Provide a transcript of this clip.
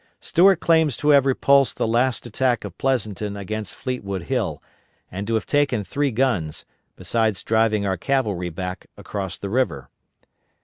Stuart claims to have repulsed the last attack of Pleasonton against Fleetwood Hill, and to have taken three guns, besides driving our cavalry back across the river.